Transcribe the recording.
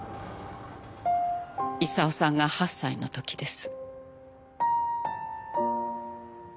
功さんが８歳の時です。